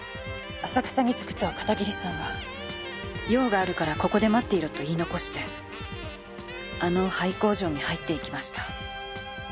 浅草に着くと片桐さんは用があるからここで待っていろと言い残してあの廃工場に入って行きました。